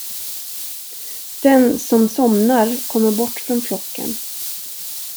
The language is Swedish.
Den, som somnar, kommer bort från flocken.